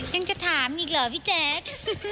ยังจะถามอีกเหรอพี่แจ๊ค